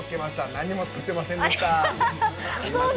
何も作ってませんでした。